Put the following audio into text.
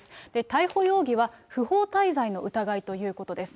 逮捕容疑は、不法滞在の疑いということです。